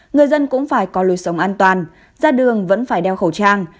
người dân cũng phải có lối sống an toàn ra đường vẫn phải đeo khẩu trang